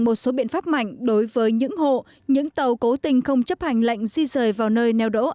một số biện pháp mạnh đối với những hộ những tàu cố tình không chấp hành lệnh di rời vào nơi neo đỗ